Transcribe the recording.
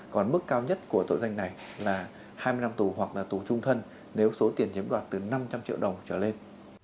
còn mức cao nhất của tội danh này là hai mươi năm tù hoặc là tù trung thân nếu số tiền chiếm đoạt từ năm trăm linh triệu đồng trở lên